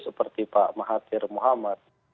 seperti pak mahathir muhammad